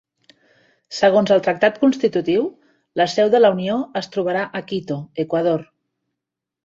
Segons el Tractat constitutiu, la seu de la Unió es trobarà a Quito, Equador.